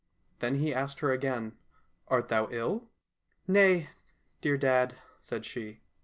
Then he asked her again, " Art thou ill ?"—" Nay, dear dad," said she.